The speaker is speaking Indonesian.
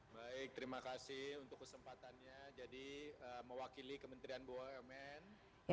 baik terima kasih untuk kesempatannya jadi mewakili kementerian bumn